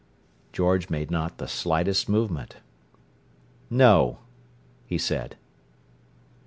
George made not the slightest movement. "No," he said.